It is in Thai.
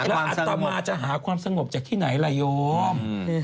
แล้วอัตมาจะหาความสงบจากที่ไหนล่ะโยม